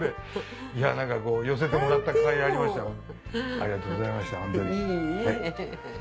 ありがとうございました本当に。